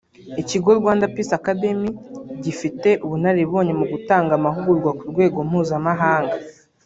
Ikigo Rwanda Peace Academy gifite ubunararibonye mu gutanga amahugurwa ku rwego mpuzamahanga